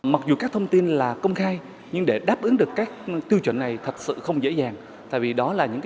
mặc dù các thông tin là công khai nhưng để đáp ứng được các tiêu chuẩn này thật sự không dễ dàng